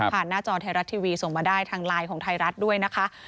หน้าจอไทยรัฐทีวีส่งมาได้ทางไลน์ของไทยรัฐด้วยนะคะ